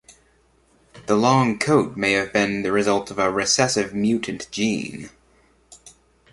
The long coat may have been the result of a recessive mutant gene.